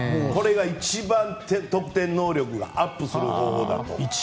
これが一番得点能力がアップする方法です。